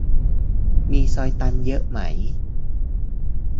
มีซอยตันเยอะไหม